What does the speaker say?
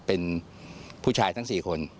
เป็นผู้ชายทั้ง๔คน